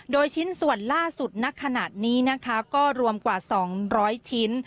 โดยชิ้นส่วนล่าสุดณขณะนี้นะคะก็รวมกว่า๒๐๐ชิ้น